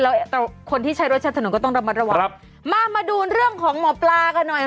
แล้วคนที่ใช้รถใช้ถนนก็ต้องระมัดระวังครับมามาดูเรื่องของหมอปลากันหน่อย